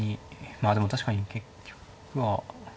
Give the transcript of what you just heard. まあでも確かに結局は。